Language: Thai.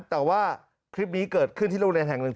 แต่ว่าคลิปนี้เกิดขึ้นที่โรงเรียนแห่งหนึ่ง